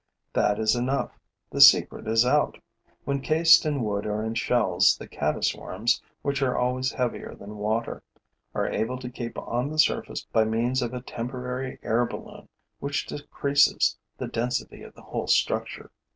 That is enough: the secret is out. When cased in wood or in shells, the caddis worms, which are always heavier than water, are able to keep on the surface by means of a temporary air balloon which decreases the density of the whole structure.